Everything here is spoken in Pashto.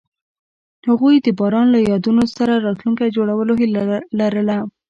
هغوی د باران له یادونو سره راتلونکی جوړولو هیله لرله.